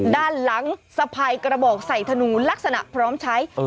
ด้านหลังสะพายกระบอกใส่ธนูลักษณะพร้อมใช้